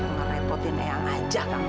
nggak repotin eang aja kamu